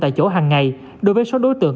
tại chỗ hàng ngày đối với số đối tượng